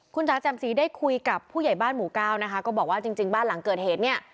คุณจ๋าแจ่มสีได้คุยกับผู้ใหญ่บ้านหมู่เก้านะคะก็บอกว่าจริงบ้านหลังเกิดเหตุเนี่ย